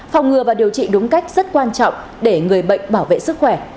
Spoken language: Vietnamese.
phòng ngừa và điều trị đúng cách rất quan trọng để người bệnh bảo vệ sức khỏe